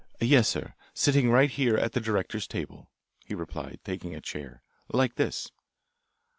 "Yes, sir, sitting right here at the directors' table," he replied, taking a chair, "like this."